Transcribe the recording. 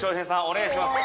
お願いします。